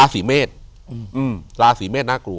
อยู่ที่แม่ศรีวิรัยิลครับ